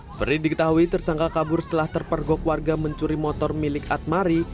seperti diketahui tersangka kabur setelah terpergok warga mencuri motor milik atmari